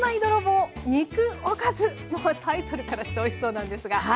タイトルからしておいしそうなんですが。